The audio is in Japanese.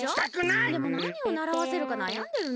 でもなにをならわせるかなやんでるの。